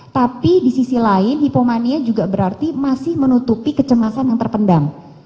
tapi di sisi lain hipomania juga berarti masih menutupi kecemasan yang terpendam